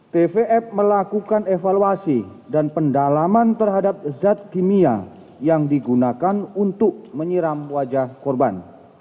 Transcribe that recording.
tvf melakukan evaluasi dan pendalaman terhadap zat kimia yang digunakan untuk menyiram wajah korban